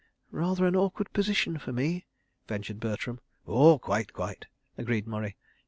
"Rather an awkward position for me," ventured Bertram. "Oh, quite, quite," agreed Murray.